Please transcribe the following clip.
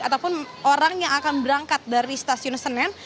ataupun orang yang akan berangkat dari stasiun senen